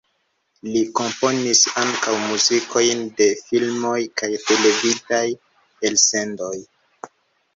Li komponis ankaŭ muzikojn de filmoj kaj televidaj elsendoj.